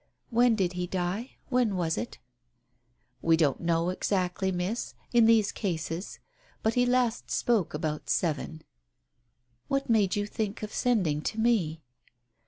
"When did he die ? When was it ?" "We don't know exactly, Miss. In these cases But he last spoke about seven." "What made you think of sending to me?"